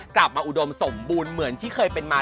อุดมสมบูรณ์เหมือนที่เคยเป็นมา